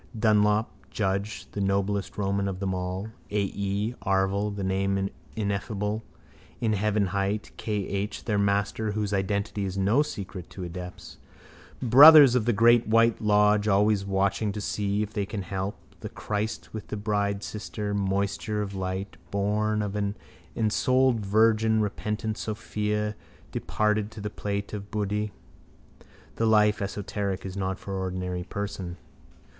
Dunlop, Judge, the noblest Roman of them all, A.E., Arval, the Name Ineffable, in heaven hight: K.H., their master, whose identity is no secret to adepts. Brothers of the great white lodge always watching to see if they can help. The Christ with the bridesister, moisture of light, born of an ensouled virgin, repentant sophia, departed to the plane of buddhi. The life esoteric is not for ordinary person.